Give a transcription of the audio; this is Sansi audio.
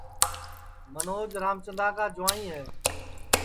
منوج رامچندا کا جُوائیں ہے